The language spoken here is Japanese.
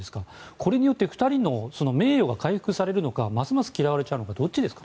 これによって２人の名誉が回復されるのかますます嫌われちゃうのかどっちですか？